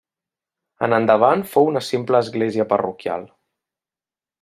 En endavant fou una simple església parroquial.